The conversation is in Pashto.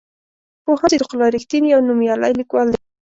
پوهاند صدیق الله رښتین یو نومیالی لیکوال دی.